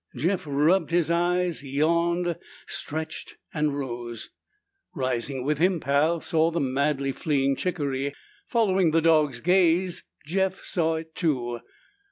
Jeff rubbed his eyes, yawned, stretched and rose. Rising with him, Pal saw the madly fleeing chickaree; following the dog's gaze, Jeff saw it, too.